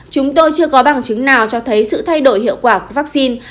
chúng tôi chưa có bằng chứng nào cho thấy sự thay đổi hiệu quả của vaccine